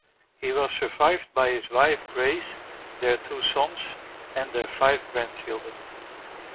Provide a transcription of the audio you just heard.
He was survived by his wife Grace, their two sons, and their five grandchildren.